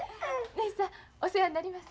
ぬひさんお世話になります。